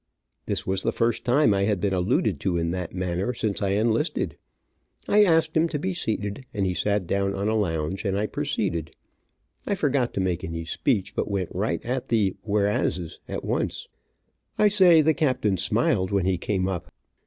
This was the first time I had been alluded to in that manner since I enlisted. I asked him to be seated, and he sat down on a lounge, and I proceeded. I forgot to make any speech, but went right at the whereases at once. I say the captain smiled when he came up.